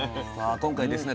今回ですね